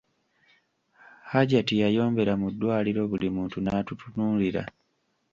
Hajati yayombera mu ddwaliro buli muntu n'atutunuulira.